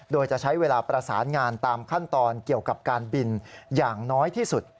โดยจะใช้เวลาประสานงานตามขั้นตอนเกี่ยวกับการบินอย่างน้อยที่สุด